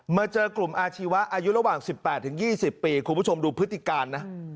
เจอกลุ่มอาชีวะอายุระหว่าง๑๘๒๐ปีคุณผู้ชมดูพฤติการนะ